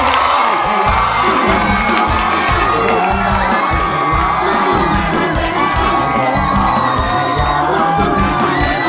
นะน่าร่า